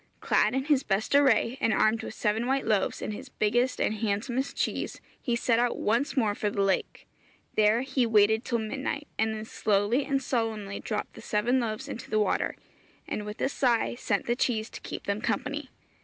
Clad in his best array, and armed with seven white loaves and his biggest and handsomest cheese, he set out once more for the lake. There he waited till midnight, and then slowly and solemnly dropped the seven loaves into the water, and with a sigh sent the cheese to keep them company.